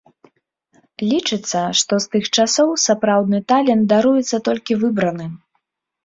Лічыцца, што з тых часоў сапраўдны талент даруецца толькі выбраным.